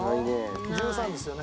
１３ですよね？